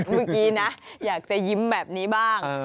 เมื่อกี้นะอยากจะยิ้มแบบนี้บ้าง